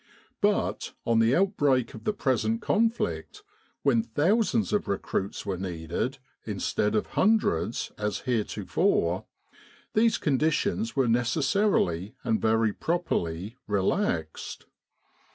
But, on the outbreak of the present con flict, when thousands of recruits were needed instead of hundreds as heretofore, these conditions were necessarily and very properly relaxed.